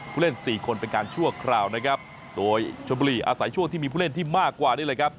ผู้เล่นสี่คนเป็นการชั่วคราวนะครับโดยชมบุรีอาศัยช่วงที่มีผู้เล่นที่มากกว่านี้เลยครับ